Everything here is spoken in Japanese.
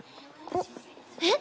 えっ？